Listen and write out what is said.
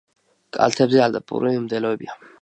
კალთებზე ალპური მდელოებია.